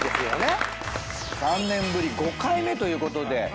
３年ぶり５回目ということで。